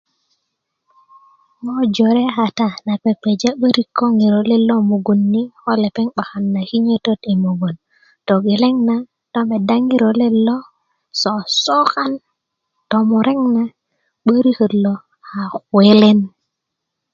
ŋo jore kata na kpekpeja 'börik ko ŋiro let lo mugin ni ko lepeŋ 'bakan na kinyötöt i mugun togeleŋ na do meda ŋiro let lo sosokan tomurek na 'böriköt lo a kwelen